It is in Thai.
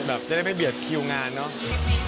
จะได้ไม่เบียดคิวงานเนอะ